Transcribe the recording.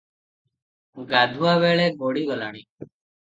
ଗାଧୁଆ ବେଳ ଗଡ଼ି ଗଲାଣି ।